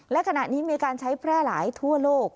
และขณะนี้มีการใช้แพร่หลายทั่วโลก